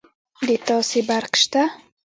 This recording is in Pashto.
د تاسي برق شته